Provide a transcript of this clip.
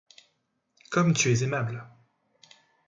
Comme tu es aimable!